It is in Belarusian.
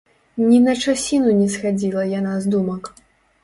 Ні на часіну не схадзіла яна з думак.